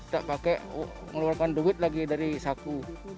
yang bayar parkirnya tidak pakai ngeluarkan duit lagi dari saku